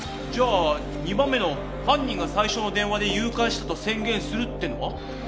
じゃあ２番目の犯人が最初の電話で誘拐したと宣言するってのは？